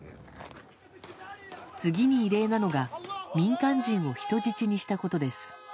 次に異例なのが民間人を人質にしたことです。